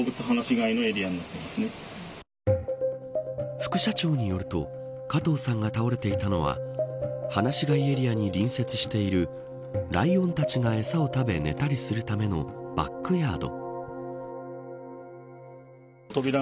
副社長によると加藤さんが倒れていたのは放し飼いエリアに隣接しているライオンたちが餌を食べ寝たりするためのバックヤード。